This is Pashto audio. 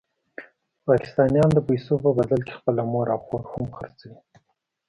پاکستانیان د پیسو په بدل کې خپله مور او خور هم خرڅوي.